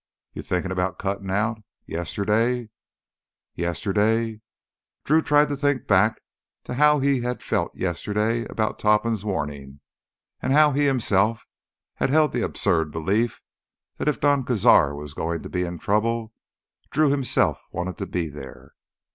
"You thinkin' about cuttin' out? Yesterday——" "Yesterday——" Drew tried to think back to how he had felt yesterday about Topham's warning and how he himself had held the absurd belief that if Don Cazar was going to be in trouble, Drew himself wanted to be there.